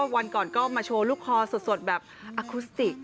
วันก่อนก็มาโชว์ลูกคอสดแบบอคุสติก